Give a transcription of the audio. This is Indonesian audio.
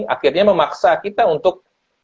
akhirnya memaksa kita untuk